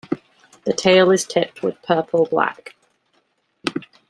The tail is tipped with purple-black.